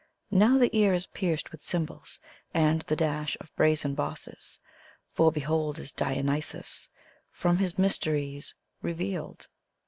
Now ihR ear is pierced with cymbals and the dash of brisen bosses, For, behold, is Dionysos from his mysteries revealed